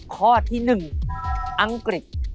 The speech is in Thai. ข้อที่หนึ่งอังกฤษ